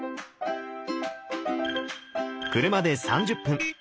車で３０分。